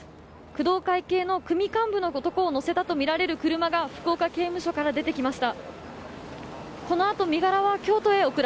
工藤会系の組幹部の男を乗せたとみられる車が福岡刑務所から出てきました。